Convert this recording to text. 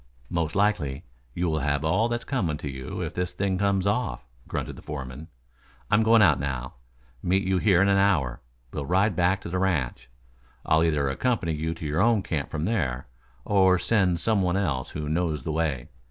"Most likely you will have all that's coming to you if this thing comes off," grunted the foreman. "I'm going out now. Meet you here in an hour. We'll ride back to the ranch. I'll either accompany you to your own camp from there, or send some one else who knows the way.